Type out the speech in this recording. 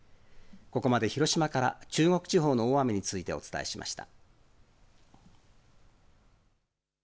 ここまで広島から中国地方の大雨について、お伝えしました。